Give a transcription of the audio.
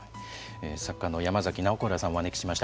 作家の山崎ナオコーラさんをお招きしました。